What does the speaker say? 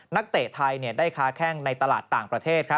เตะไทยได้ค้าแข้งในตลาดต่างประเทศ